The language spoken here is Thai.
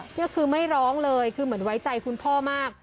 นี่คือไม่ร้องเลยคือเหมือนไว้ใจคุณพ่อมาก